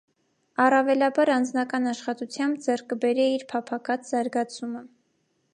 Առաւելաբար անձնական աշխատութեամբ ձեռք կը բերէ իր փափաքած զարգացումը։